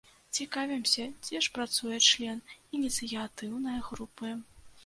Цікавімся, дзе ж працуе член ініцыятыўнай групы.